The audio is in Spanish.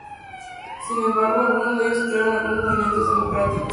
Sin embargo algunos de ellos crearon algunos movimientos democráticos.